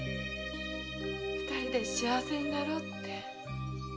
「二人で幸せになろう」って。